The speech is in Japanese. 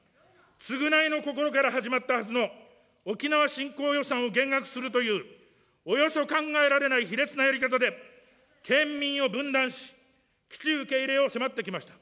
償いの心から始まったはずの沖縄振興予算を減額するというおよそ考えられない卑劣なやり方で県民を分断し、基地受け入れを迫ってきました。